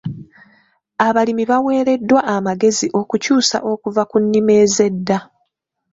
Abalimi baaweereddwa amagezi okukyusa okuva ku nnima ez'edda.